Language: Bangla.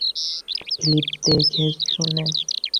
ফিলিপ, দেখেশুনে।